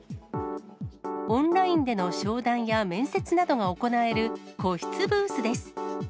オンラインでの商談や面接などが行える個室ブースです。